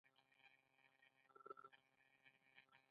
ایا پوټکی د بدن تودوخه کنټرولوي؟